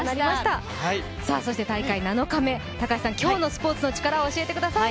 大会７日目今日のスポーツのチカラを教えてください。